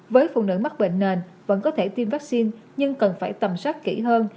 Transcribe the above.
với phụ nữ mắc bệnh nền vẫn có thể tiêm vaccine nhưng cần phải tầm soát kỹ hơn